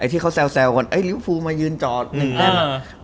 พี่ริ้วฟูมายืนจอหนึ่งแม่ม่ะ